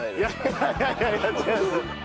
いやいやいやいや違います。